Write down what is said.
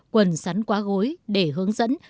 quần sắn quá gối để hướng dẫn